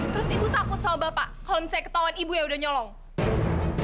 terus ibu takut sama bapak kalo misalnya ketauan ibu yang udah nyolong